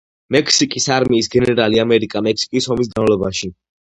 მექსიკის არმიის გენერალი ამერიკა-მექსიკის ომის განმავლობაში.